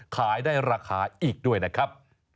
ขายได้ราคาอีกด้วยนะครับ